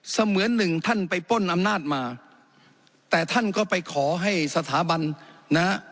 เหมือนหนึ่งท่านไปป้นอำนาจมาแต่ท่านก็ไปขอให้สถาบันนะฮะ